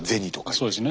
そうですね。